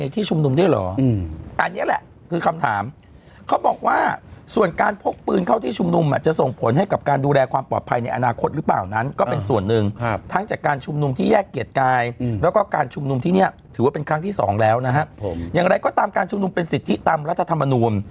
ที่ชุมนุมด้วยเหรออันนี้แหละคือคำถามเขาบอกว่าส่วนการพกปืนเข้าที่ชุมนุมจะส่งผลให้กับการดูแลความปลอดภัยในอนาคตหรือเปล่านั้นก็เป็นส่วนหนึ่งทั้งจากการชุมนุมที่แยกเกียรติกายแล้วก็การชุมนุมที่เนี่ยถือว่าเป็นครั้งที่สองแล้วนะครับอย่างไรก็ตามการชุมนุมเป็นสิทธิตามรัฐธรรมนูล